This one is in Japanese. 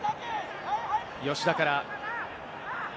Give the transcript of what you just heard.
吉田から。